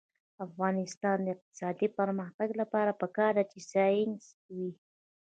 د افغانستان د اقتصادي پرمختګ لپاره پکار ده چې ساینس وي.